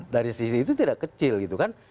dari sisi itu tidak kecil gitu kan